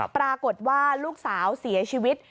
ปรากฏว่าลูกสาวเสียชีวิต